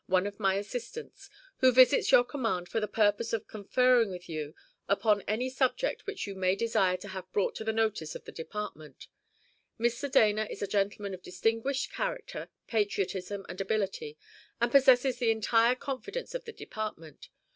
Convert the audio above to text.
one of my assistants, who visits your command for the purpose of conferring with you upon any subject which you may desire to have brought to the notice of the department. Mr. Dana is a gentleman of distinguished character, patriotism, and ability, and possesses the entire confidence of the department.